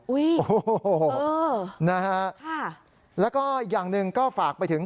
อุ๊ยเออค่ะค่ะแล้วก็อย่างนึงก็ฝากไปถึง